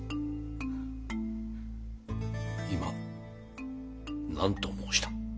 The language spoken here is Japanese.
今何と申した？